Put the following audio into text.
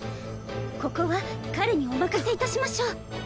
ここは彼にお任せ致しましょう。